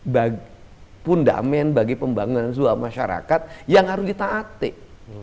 bundamen bagi pembangunan sebuah masyarakat yang harus ditatik